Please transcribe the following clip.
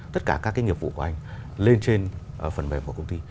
tất cả các cái nghiệp vụ của anh lên trên phần mềm của công ty